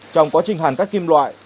trong quá trình hàn cắt kim loại